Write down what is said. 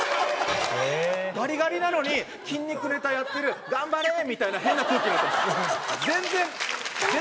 ガリガリなのに筋肉ネタやってる頑張れ！みたいな変な空気。